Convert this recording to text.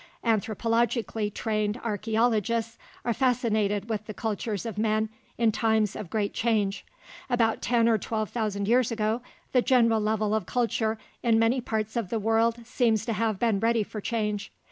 Anthropologically trained archeologists are fascinated with the cultures of men in times of great change. About ten or twelve thousand years ago, the general level of culture in many parts of the world seems to have been ready for change.